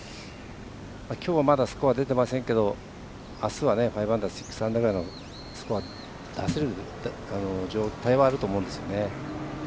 きょうは、まだスコア出てませんけど、あすは５アンダー、６アンダーぐらいのスコア、出せる状態はあると思うんですね。